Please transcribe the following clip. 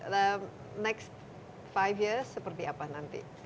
ke depan lima tahun seperti apa nanti